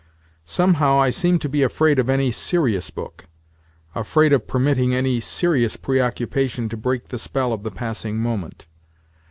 Somehow I seem to be afraid of any serious book—afraid of permitting any serious preoccupation to break the spell of the passing moment.